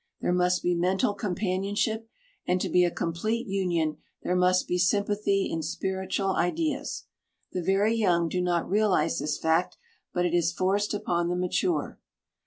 There must be mental companionship, and to be a complete union there must be sympathy in spiritual ideas. The very young do not realize this fact, but it is forced upon the mature.